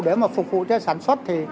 để phục vụ cho sản xuất